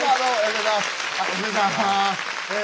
よろしくお願いします。